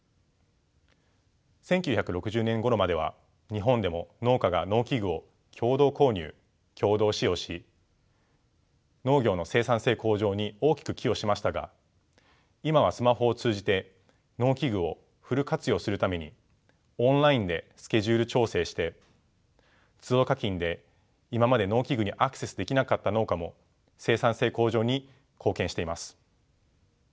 １９６０年ごろまでは日本でも農家が農機具を共同購入共同使用し農業の生産性向上に大きく寄与しましたが今はスマホを通じて農機具をフル活用するためにオンラインでスケジュール調整してつど課金で今まで農機具にアクセスできなかった農家も生産性向上に貢献しています。